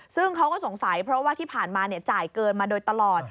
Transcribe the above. ซึ่งเขาก็สงสัยเพราะว่าที่ผ่านมาจ่ายเกินมาโดยตลอด